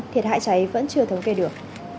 thiệt hại cháy vẫn chưa thống kê được